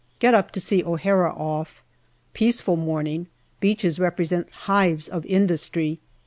Get up to see O'Hara off. Peaceful morning ; beaches represent hives of industry.